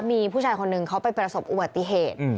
มีผู้ชายคนหนึ่งเขาไปประสบอุบัติเหตุ